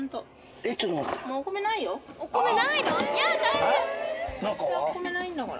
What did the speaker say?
お米ないんだから。